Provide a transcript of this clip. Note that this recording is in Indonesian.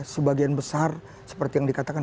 sebagian besar seperti yang dikatakan